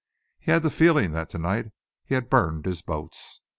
He had the feeling that to night he had burned his boats.